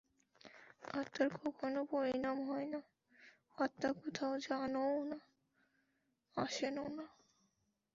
আত্মার কখনও পরিণাম হয় না, আত্মা কোথাও যানও না, আসেনও না।